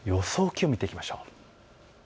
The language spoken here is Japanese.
気温を見ていきましょう。